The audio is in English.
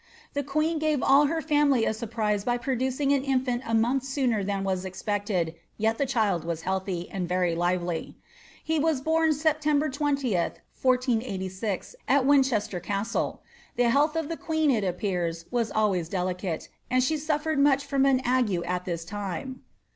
The queen gave all her family a surprise by producing her ta£uit a miailh sooner than was ejpecied, yet the child was healthy, and rery lively. lie was bom September 20, 1 486, at Winchester costle. The h^tli oi the queen, it appears, was always delicate, and she suf f.red niuch from an ague at this time.